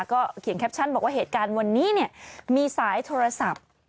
ก็เขียนแคปชั่นบอกว่าเหตุการณ์วันนี้มีสายโทรศัพท์